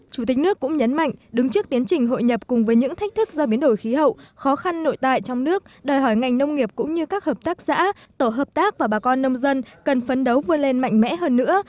chủ tịch nước cũng nhấn mạnh đứng trước tiến trình hội nhập cùng với những thách thức do biến đổi khí hậu khó khăn nội tại trong nước đòi hỏi ngành nông nghiệp cũng như các hợp tác xã tổ hợp tác và bà con nông dân cần phấn đấu vươn lên mạnh mẽ hơn nữa